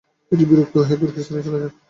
তিনি বিরক্ত হইয়া তুর্কীস্তানে চলিয়া যান।